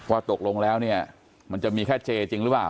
ว่าตกลงแล้วเนี่ยมันจะมีแค่เจจริงหรือเปล่า